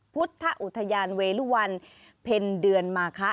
พุทธอุทยานเวรุวันเพ็ญเดือนมาคะ